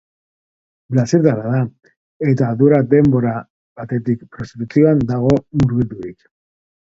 Brasildarra da eta duela denbroa batetik prostituzioan dago murgildurik.